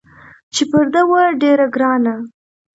چې پر ده وه ډېره ګرانه